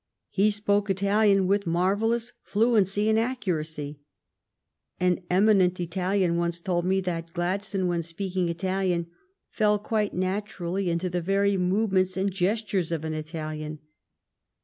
He spoke Italian with marvel lous fluency and accuracy. An eminent Italian told me once that Gladstone, when speaking Italian, fell quite naturally into the very move ment and gestures of an Italian.